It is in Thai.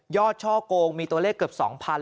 ช่อกงมีตัวเลขเกือบ๒๐๐๐